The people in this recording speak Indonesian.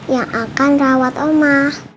yang akan rawat oma